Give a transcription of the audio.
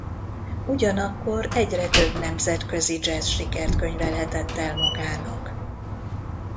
Ugyanakkor egyre több nemzetközi jazz sikert könyvelhetett el magának.